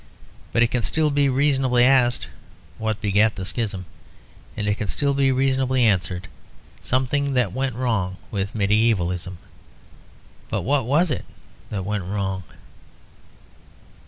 But it can still be reasonably asked what begat the schism; and it can still be reasonably answered; something that went wrong with medievalism. But what was it that went wrong?